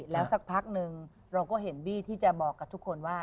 แล้วสักพักนึงเราก็เห็นบี้ที่จะบอกกับทุกคนว่า